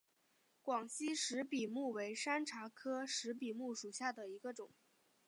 广西石笔木为山茶科石笔木属下的一个种。